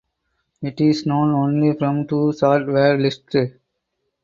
It is known only from two short word lists.